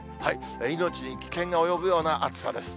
命に危険が及ぶような暑さです。